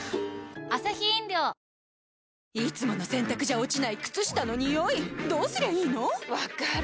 いつもの洗たくじゃ落ちない靴下のニオイどうすりゃいいの⁉分かる。